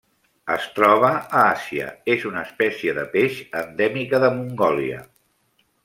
Es troba a Àsia: és una espècie de peix endèmica de Mongòlia.